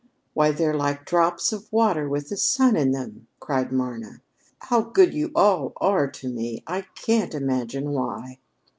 "Why, they're like drops of water with the sun in them!" cried Marna. "How good you all are to me! I can't imagine why."